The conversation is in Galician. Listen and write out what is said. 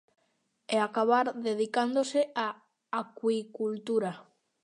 E acabar dedicándose á acuicultura.